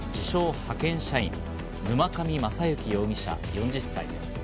派遣社員・沼上将之容疑者４０歳です。